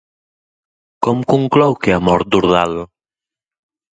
Com conclou que ha mort Dordal?